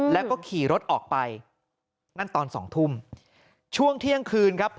แล้วก็ขี่รถออกไปนั่นตอนสองทุ่มช่วงเที่ยงคืนครับ